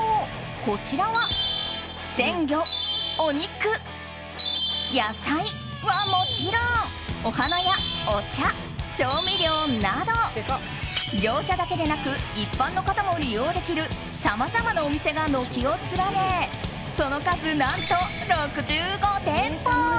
こちらは、鮮魚、お肉野菜はもちろんお花や、お茶、調味料など業者だけでなく一般の方も利用できるさまざまなお店が軒を連ねその数、何と６５店舗！